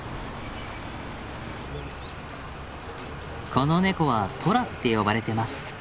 このネコはトラって呼ばれてます。